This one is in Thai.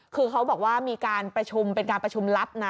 คือเขาบอกว่ามีการประชุมเป็นการประชุมลับนะ